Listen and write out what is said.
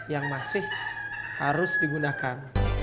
yang masih harus digunakan